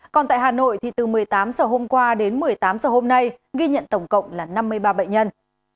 còn tại hà nội thì từ một mươi tám h hôm qua đến một mươi tám h hôm nay ghi nhận tổng cộng là năm mươi ba bệnh nhân